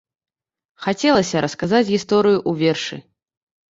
Хацелася расказаць гісторыю ў вершы.